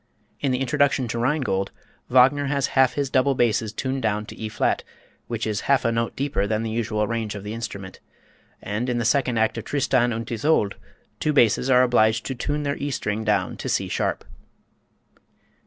In the introduction to "Rheingold," Wagner has half his double basses tuned down to E flat, which is half a note deeper than the usual range of the instrument, and in the second act of "Tristan und Isolde" two basses are obliged to tune their E string down to C sharp.